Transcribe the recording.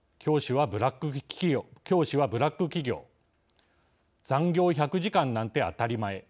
「教師はブラック企業」「残業１００時間なんて当たり前」